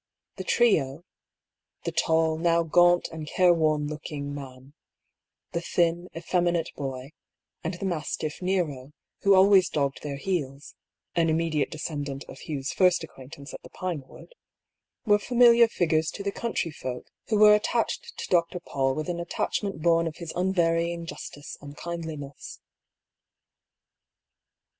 The trio — the tall, now gaunt and careworn looking, man ; the thin, effeminate boy, and the mastiff Nero, who always dogged their heels (an immediate descend ant of Hugh's first acquaintance at the Pinewood) — were familiar figures to the country folk, who were attached to Dr. Paull with an attachment bom of his unvarying justice and kindliness.